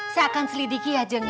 saya akan selidiki ya jeng ya